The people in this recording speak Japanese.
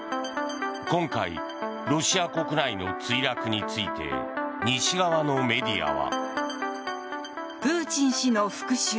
今回、ロシア国内の墜落について西側のメディアは。